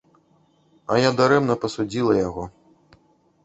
А я дарэмна пасудзіла яго.